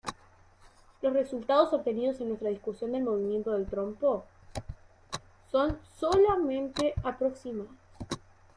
Los resultados obtenidos en nuestra discusión del movimiento del trompo son solamente aproximados.